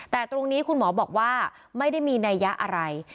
แต่ตรงนี้คุณหมอบอกว่าไม่ได้มีนัยยะอะไร